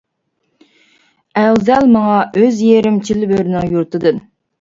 ئەۋزەل ماڭا ئۆز يېرىم چىلبۆرىنىڭ يۇرتىدىن.